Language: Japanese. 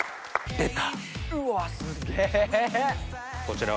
出た！